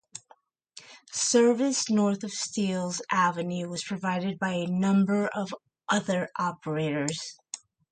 Service north of Steeles Avenue was provided by a number of other operators.